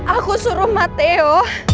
aku suruh mateo